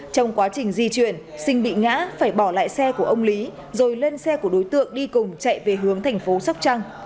trong quá trình di chuyển sinh bị ngã phải bỏ lại xe của ông lý rồi lên xe của đối tượng đi cùng chạy về hướng thành phố sóc trăng